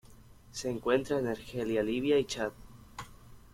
Se encuentra en Argelia Libia y Chad.